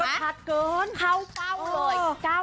มันชัดเกินเข้าเป้าเลย